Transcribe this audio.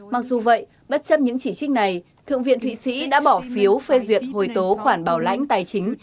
mặc dù vậy bất chấp những chỉ trích này thượng viện thụy sĩ đã bỏ phiếu phê duyệt hồi tố khoản bảo lãnh tài chính